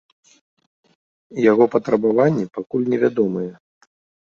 Яго патрабаванні пакуль невядомыя.